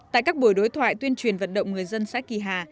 tại các buổi đối thoại tuyên truyền vận động người dân xã kỳ hà